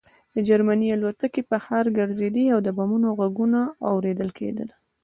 د جرمني الوتکې په ښار ګرځېدې او د بمونو غږونه اورېدل کېدل